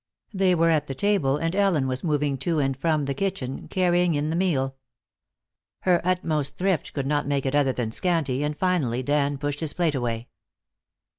They were at the table, and Ellen was moving to and from the kitchen, carrying in the meal. Her utmost thrift could not make it other than scanty, and finally Dan pushed his plate away.